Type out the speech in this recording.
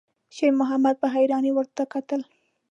شېرمحمد په حيرانۍ ورته کتل.